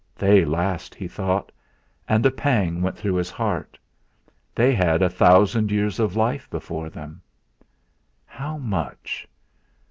'.hey last!' he thought, and a pang went through his heart. They had a thousand years of life before them! '.ow much?'